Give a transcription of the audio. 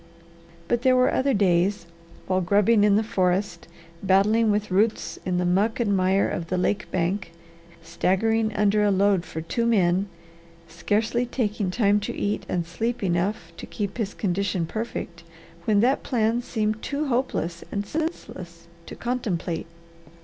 But there were other days while grubbing in the forest, battling with roots in the muck and mire of the lake bank, staggering under a load for two men, scarcely taking time to eat and sleep enough to keep his condition perfect, when that plan seemed too hopeless and senseless to contemplate.